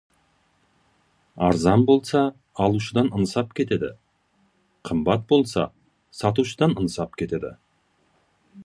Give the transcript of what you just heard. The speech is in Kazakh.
Арзан болса, алушыдан ынсап кетеді, қымбат болса, сатушыдан ынсап кетеді.